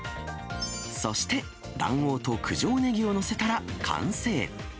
そして卵黄と九条ネギを載せたら完成。